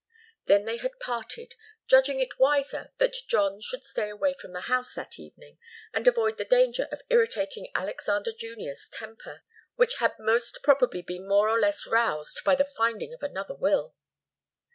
Then they had parted, judging it wiser that John should stay away from the house that evening, and avoid the danger of irritating Alexander Junior's temper, which had most probably been more or less roused by the finding of another will.